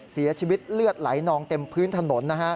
เสียชีวิตเลือดไหลนองเต็มพื้นถนน